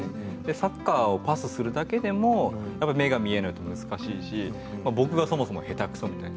サッカーはパスするだけでも目が見えないと難しいし僕がそもそも下手くそみたいな。